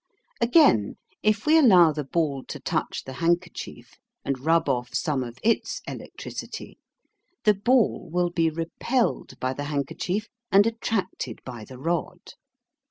Again, if we allow the ball to touch the handkerchief and rub off some of its electricity, the ball will be REPELLED by the handkerchief and ATTRACTED by the rod.